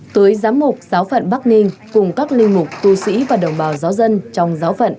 tới giám mục giáo phận bắc ninh cùng các linh mục tu sĩ và đồng bào giáo dân trong giáo phận